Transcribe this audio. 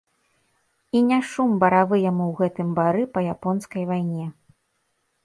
І не шум баравы яму ў гэтым бары па японскай вайне.